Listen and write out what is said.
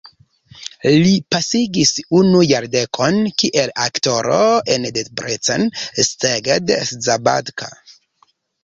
Li pasigis unu jardekon kiel aktoro en Debrecen, Szeged, Szabadka.